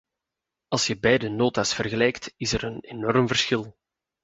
Als je beide nota's vergelijkt, is er een enorm verschil.